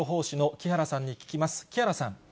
木原さん。